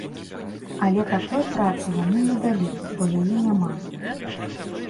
Але такой працы яму не далі, бо яе няма.